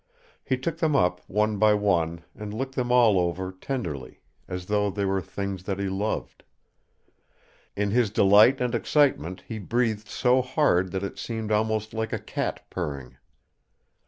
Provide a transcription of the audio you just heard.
He took them up one by one and looked them all over tenderly, as though they were things that he loved. In his delight and excitement he breathed so hard that it seemed almost like a cat purring.